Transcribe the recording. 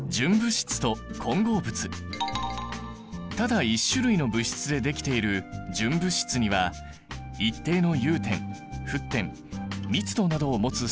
ただ１種類の物質でできている純物質には一定の融点沸点密度などを持つ性質がある。